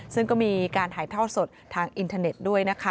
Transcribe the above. ซึ่งก็มีการถ่ายท่อสดทางอินเทอร์เน็ตด้วยนะคะ